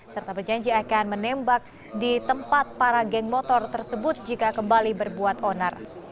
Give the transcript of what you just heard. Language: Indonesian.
serta berjanji akan menembak di tempat para geng motor tersebut jika kembali berbuat onar